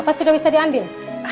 apa sudah bisa diambil